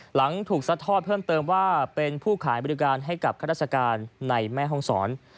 หลังถูกซัดทอดเพิ่มเติมว่าเป็นผู้ขายบริการให้กับข้าราชการในแม่ห้องศร